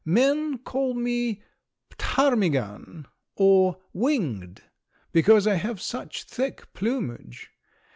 Men call me ptarmigan or winged, because I have such thick plumage.